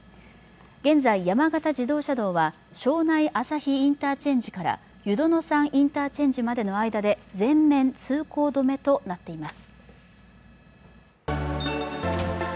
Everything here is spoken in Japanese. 現在、山形自動車道は庄内あさひインターチェンジから湯殿山インターチェンジまでの間で全面通行止めとなっています。